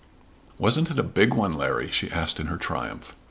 "Wasn't it a big one, Larry?" she asked in her triumph.